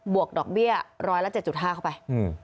วกดอกเบี้ยร้อยละ๗๕เข้าไป